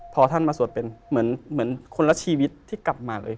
พอท่านมาสวดเป็นเหมือนคนละชีวิตที่กลับมาเลย